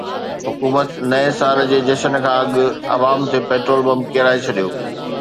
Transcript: حڪومت نئين سال جي جشن کان اڳ عوام تي پيٽرول بم ڪيرائي ڇڏيو